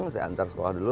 saya antar sekolah dulu